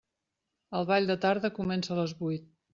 El ball de tarda comença a les vuit.